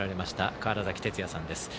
川原崎哲也さんです。